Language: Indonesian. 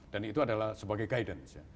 dan itu adalah sebagai guidance